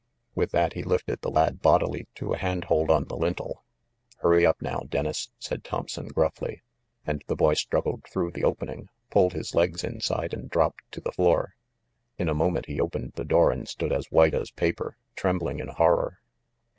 With that, he lifted the lad bodily to a handhold on the lintel. "Hurry up, now, Dennis !" said Thomp son gruffly, and the boy struggled through the open ing, pulled his legs inside, and dropped to the floor. In a moment he opened the door and stood as white as paper, trembling in horror.